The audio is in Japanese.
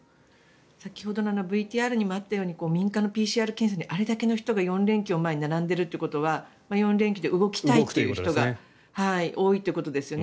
先ほどのＶＴＲにもあったように民間のＰＣＲ検査にあれだけの人が４連休を前に並んでいるということは４連休で動きたいという人が多いということですよね。